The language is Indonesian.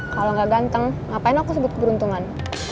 kalo gak ganteng ngapain aku sebut keberuntungan